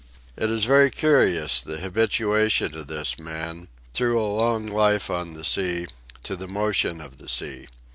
It is very curious, the habituation of this man, through a long life on the sea, to the motion of the sea.